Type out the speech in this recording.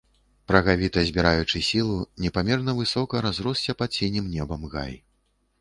Прагавіта збіраючы сілу, непамерна высока разросся пад сінім небам гай.